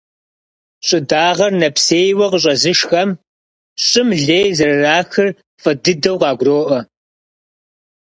Щӏы дагъэр нэпсейуэ къыщӏэзышхэм щӏым лей зэрырахыр фӏы дыдэу къагуроӏуэ.